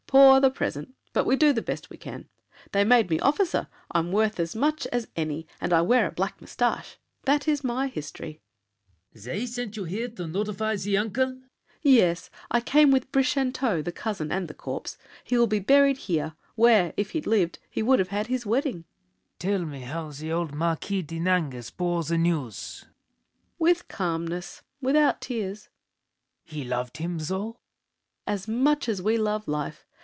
Poor The present, but we do the best we can! They made me officer—I'm worth as much As any, and I wear a black mustache. That is my history. LAFFEMAS. They sent you here To notify the uncle? SAVERNY. Yes; I came With Brichanteau, the cousin, and the corpse. He will be buried here—where, if he'd lived, He would have had his wedding! LAFFEMAS. Tell me how The old Marquis de Nangis bore the news. SAVERNY. With calmness, without tears. LAFFEMAS. He loved him though? SAVERNY. As much as we love life.